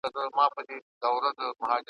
را په زړه مي خپل سبق د مثنوي سي `